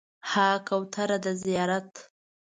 ها کوتره د زیارت